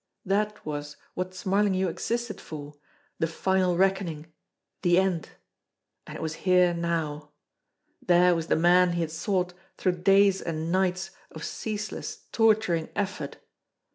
That was what Smarlinghue existed for the final reckoning the end. And it was here now. There was the man he had sought through days and nights of ceaseless, torturing effort.